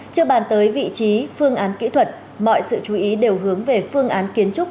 chưa bàn tới vị trí phương án kỹ thuật mọi sự chú ý đều hướng về phương án kiến trúc